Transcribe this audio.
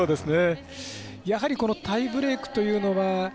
やはりタイブレークというのは。